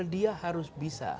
dia harus bisa